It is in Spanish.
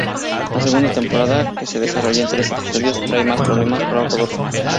La segunda temporada, que se desarrolla en trece episodios, trae más problemas para Rodolfo.